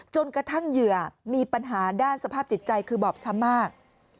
จนกระทั่งเหยื่อมีปัญหาด้านสภาพจิตใจคือบอบช้ำมาก